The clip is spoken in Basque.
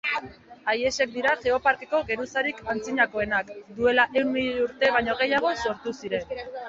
haiexek dira Geoparkeko geruzarik antzinakoenak: duela ehun milioi urte baino gehiago sortu ziren.